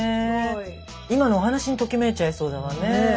今のお話にときめいちゃいそうだわね。